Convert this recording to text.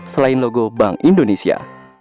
selain logo bank indonesia